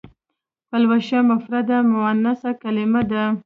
پلوشه مفرده مونثه کلمه ده.